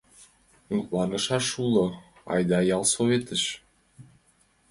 Мутланышаш уло, айда ялсоветыш.